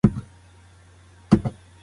که پوځ پیاوړی وای نو ماتې به یې نه خوړه.